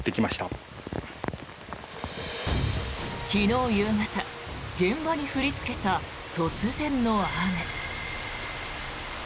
昨日夕方、現場に降りつけた突然の雨。